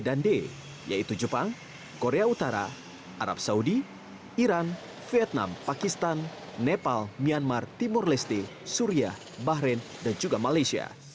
dan d yaitu jepang korea utara arab saudi iran vietnam pakistan nepal myanmar timur leste suria bahrain dan juga malaysia